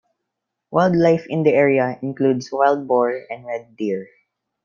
Wildlife in the area includes Wild Boar and Red Deer.